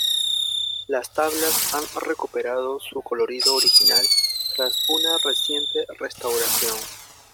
Las tablas han recuperado su colorido original tras una reciente restauración.